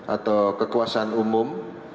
atau kekuasaan umum